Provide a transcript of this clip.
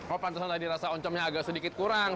oh pantasan tadi rasa oncongnya agak sedikit kurang